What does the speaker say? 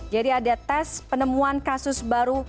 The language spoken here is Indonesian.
jadi ada tes penemuan kasus baru